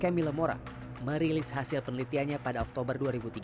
camil mora merilis hasil penelitiannya pada oktober dua ribu tiga belas